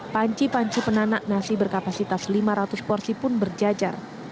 panci panci penanak nasi berkapasitas lima ratus porsi pun berjajar